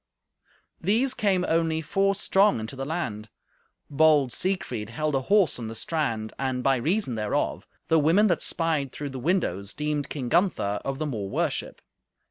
These came only four strong into the land. Bold Siegfried held a horse on the strand, and, by reason thereof, the women that spied through the windows deemed King Gunther of the more worship.